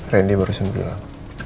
randy baru sembuh